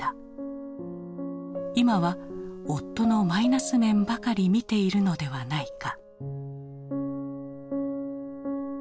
今は夫のマイナス面ばかり見ているのではないか。